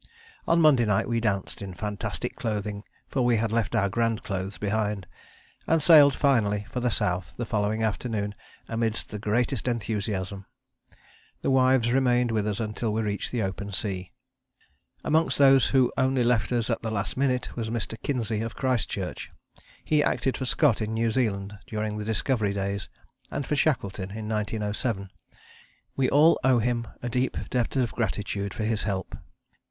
On Monday night we danced, in fantastic clothing for we had left our grand clothes behind, and sailed finally for the South the following afternoon amidst the greatest enthusiasm. The wives remained with us until we reached the open sea. Amongst those who only left us at the last minute was Mr. Kinsey of Christchurch. He acted for Scott in New Zealand during the Discovery days, and for Shackleton in 1907. We all owe him a deep debt of gratitude for his help.